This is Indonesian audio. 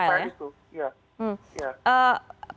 tidak ada profil itu